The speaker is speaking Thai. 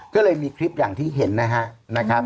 ก็เลยมีคลิปอย่างที่เห็นนะครับ